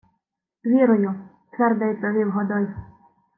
— Вірую, — твердо відповів Годой.